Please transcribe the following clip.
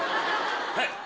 はい？